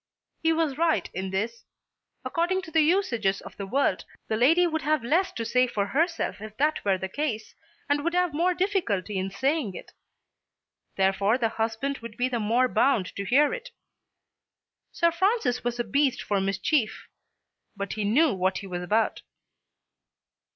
He was right in this. According to the usages of the world the lady would have less to say for herself if that were the case and would have more difficulty in saying it. Therefore the husband would be the more bound to hear it. Sir Francis was a beast for mischief, but he knew what he was about.